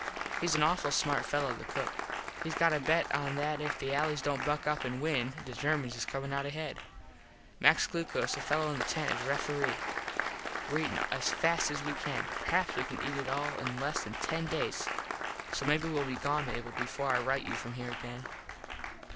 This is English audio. Hes an awful smart fello the cook. Hes got a bet on that if the allys dont buck up an win the Germans is comin out ahead. Max Glucos, a fello in the tent, is refere. Were all eatin as fast as we can. Perhaps we can eat it all in less than ten days. So maybe well be gone, Mable, before I rite you from here again.